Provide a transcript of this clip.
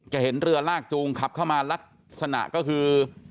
เห็นเรือลากจูงขับเข้ามาลักษณะก็คือ